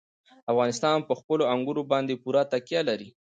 افغانستان په خپلو انګورو باندې پوره تکیه لري.